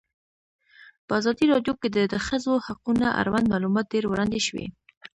په ازادي راډیو کې د د ښځو حقونه اړوند معلومات ډېر وړاندې شوي.